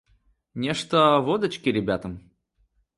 Нечто водочки ребятам?